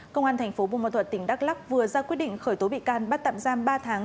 công an tp bù mà thuật tỉnh đắk lắk vừa ra quyết định khởi tố bị can bắt tạm giam ba tháng